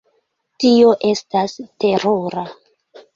Tio estas terura.